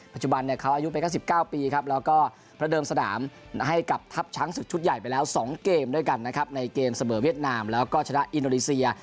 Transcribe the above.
ปัจจุบันเขาอายุเป็นแค่๑๙ปีครับแล้วก็ประเดิมสนามให้กับทัพช้างศึกชุดใหญ่ไปแล้ว๒เกมด้วยกันนะครับในเกมเสมอเวียดนามแล้วก็ชนะอินโดนีเซีย